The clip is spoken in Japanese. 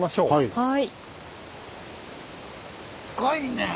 はい。